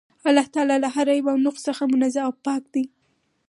الله تعالی له هر عيب او نُقص څخه منزَّه او پاك دی